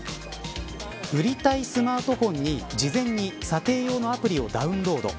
売りたいスマートフォンに事前に査定用のアプリをダウンロード。